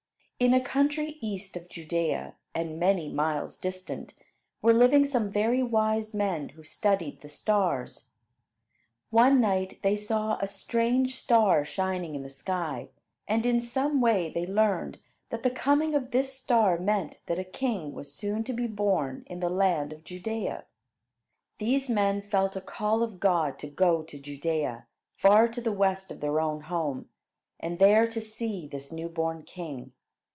In a country east of Judea, and many miles distant, were living some very wise men who studied the stars. One night they saw a strange star shining in the sky, and in some way they learned that the coming of this star meant that a king was soon to be born in the land of Judea. These men felt a call of God to go to Judea, far to the west of their own home, and there to see this new born king.